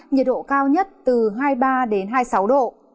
nhiệt độ cao nhất từ hai mươi ba hai mươi sáu độ